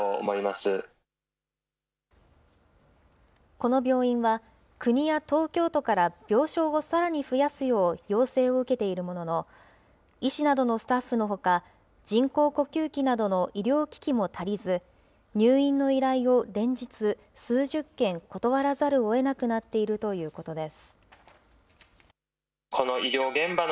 この病院は、国や東京都から病床をさらに増やすよう要請を受けているものの、医師などのスタッフのほか、人工呼吸器などの医療機器も足りず、入院の依頼を連日、数十件、断らざるをえなくなっているということです。